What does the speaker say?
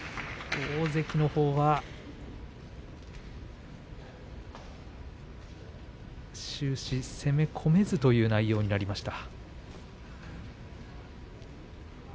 大関のほうは終始攻め込めずという内容でした。